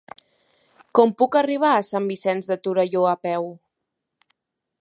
Com puc arribar a Sant Vicenç de Torelló a peu?